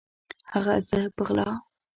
هغه زه په غلا